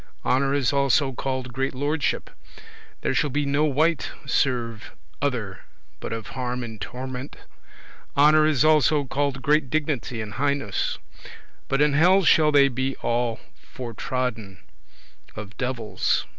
Honour is also called great lordship. There shall no wight serve other, but of harm and torment. Honour is also called great dignity and highness; but in hell shall they be all fortrodden [trampled under foot] of devils.